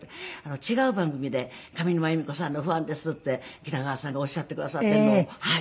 違う番組で「上沼恵美子さんのファンです」って北川さんがおっしゃってくださっているのをはい。